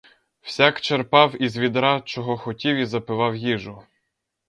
Всяк черпав із відра чого хотів і запивав їжу.